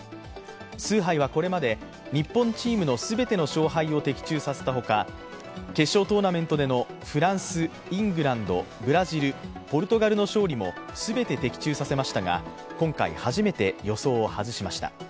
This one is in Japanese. スーハイはこれまで日本チームの全ての勝敗を的中させたほか決勝トーナメントでのフランス、イングランド、ブラジル、ポルトガルの勝利も全て的中させましたが、今回、初めて予想を外しました。